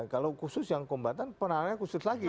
kalau khusus yang kombatan penanganannya khusus lagi